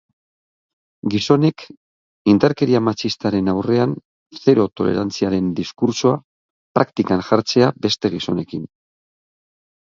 Gizonek indarkeria matxistaren aurrean zero tolerantziaren diskurtsoa praktikan jartzea beste gizonekin.